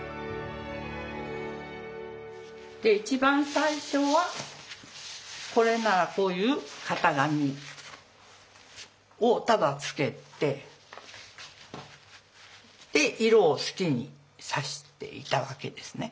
一番最初はこれならこういう型紙をただつけて色を好きに挿していたわけですね。